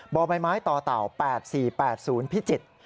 บ่อไม้ต่อ๘๔๘๐พิจิตร